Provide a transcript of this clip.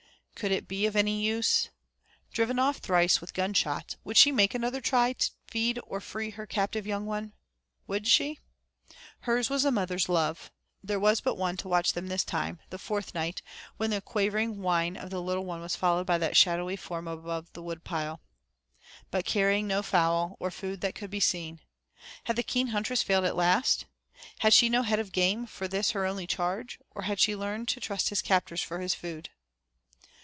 Could it be of any use? Driven off thrice with gunshots, would she make another try to feed or free her captive young one? Would she? Hers was a mother's love. There was but one to watch them this time, the fourth night, when the quavering whine of the little one was followed by that shadowy form above the wood pile. But carrying no fowl or food that could be seen. Had the keen huntress failed at last? Had she no head of game for this her only charge, or had she learned to trust his captors for his food?